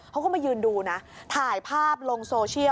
เขาก็มายืนดูนะถ่ายภาพลงโซเชียล